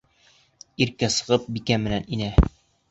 Иркә, сығып, Бикә менән инә.